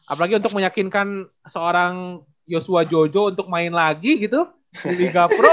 apalagi untuk meyakinkan seorang joshua jojo untuk main lagi gitu di liga pro kan